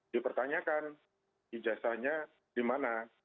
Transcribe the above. dipertanyakan ijazahnya di mana